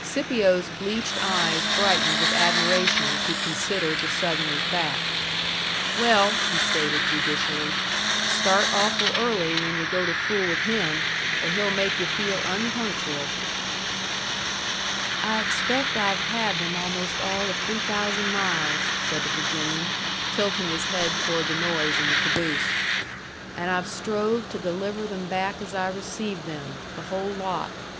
Scipio's bleached eyes brightened with admiration as he considered the Southerner's back. "Well," he stated judicially, "start awful early when yu' go to fool with him, or he'll make you feel unpunctual." "I expaict I've had them almost all of three thousand miles," said the Virginian, tilting his head toward the noise in the caboose. "And I've strove to deliver them back as I received them. The whole lot.